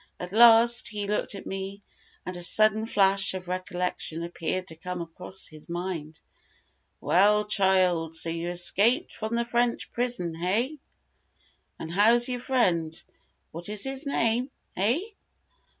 At last, he looked at me, and a sudden flash of recollection appeared to come across his mind. "Well, child so you escaped from the French prison heh! and how's your friend what is his name, heh?"